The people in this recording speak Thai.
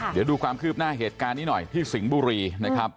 เดี๋ยวดูความคืบหน้าเหตุการณ์นี้หน่อยที่สิงห์บุรีนะครับ